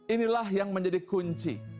inilah yang menjadi kunci